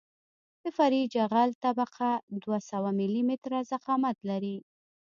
د فرعي جغل طبقه دوه سوه ملي متره ضخامت لري